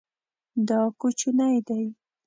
دا کوچنی دی